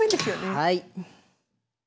はい。